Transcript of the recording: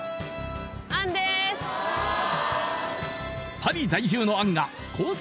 パリ在住の杏がコース